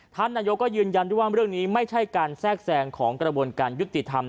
ท่านนายกก็ยืนยันด้วยว่าเรื่องนี้ไม่ใช่การแทรกแซงของกระบวนการยุติธรรม